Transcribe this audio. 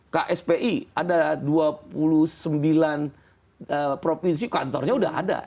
kspi ada dua puluh sembilan provinsi kantornya sudah ada